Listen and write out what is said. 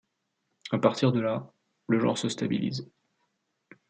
À partir de là, le genre se stabilise.